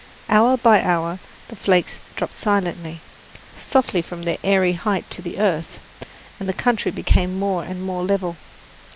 Hour by hour the flakes dropped silently, softly from their airy height to the earth, and the country became more and more level.